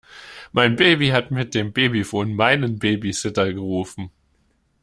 Mein Baby hat mit dem Babyphon meinen Babysitter gerufen.